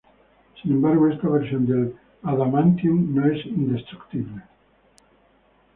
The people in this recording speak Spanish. Sin embargo esta versión del adamantium no es indestructible.